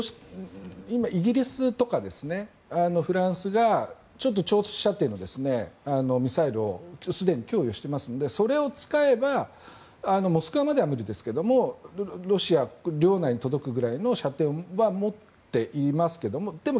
イギリスとかフランスが長射程のミサイルをすでに供与してますのでそれを使えばモスクワまでは無理ですけれどもロシア領内に届くくらいの射程は持っていますがでも